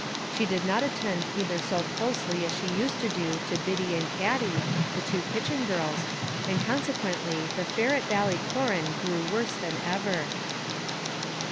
She did not attend either so closely as she used to do to Biddy and Katty, the two kitchen girls, and consequently the fare at Ballycloran grew worse than ever.